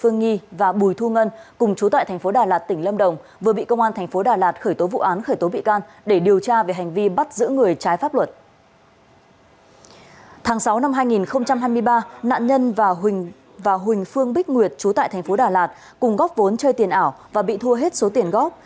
nạn nhân và huỳnh phương bích nguyệt trú tại thành phố đà lạt cùng góp vốn chơi tiền ảo và bị thua hết số tiền góp